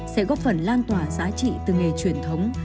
sẽ góp phần lan tỏa giá trị từ nghề truyền thống